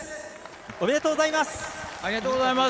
おめでとうございます。